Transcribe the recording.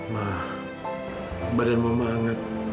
ma badan mama hangat